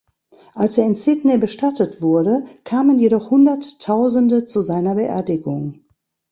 Als er in Sydney bestattet wurde, kamen jedoch Hunderttausende zu seiner Beerdigung.